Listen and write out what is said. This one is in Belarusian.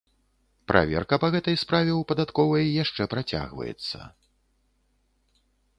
Праверка па гэтай справе ў падатковай яшчэ працягваецца.